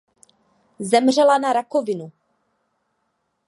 Zemřela na rakovinu.